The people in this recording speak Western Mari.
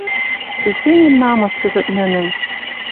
Техеньӹ намыс кӹзӹт нинӹн